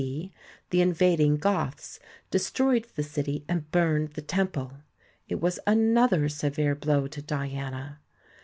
D., the invad ing Goths destroyed the city and burned the temple. It was another severe blow to Diana.